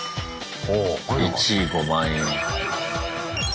１位５万円。